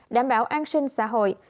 đảm bảo an sinh xã hội